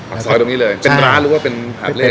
ปากซอยตรงนี้เลยเป็นร้านหรือว่าเป็นหาบเล่